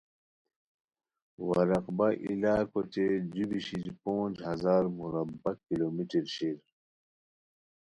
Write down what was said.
وا رقبہ ای لاکھ اوچے جو بیشیر پونج ہزار مربع کلومیٹر شیر۔